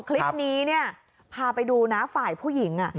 คลิปนี้พาไปดูฝ่ายผู้หญิง